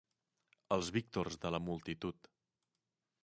Els víctors de la multitud.